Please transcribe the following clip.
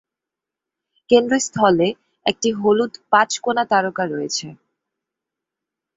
কেন্দ্রস্থলে একটি হলুদ পাঁচ কোনা তারকা রয়েছে।